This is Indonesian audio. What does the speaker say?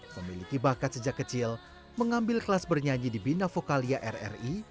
memiliki bakat sejak kecil mengambil kelas bernyanyi di bina vokalia rri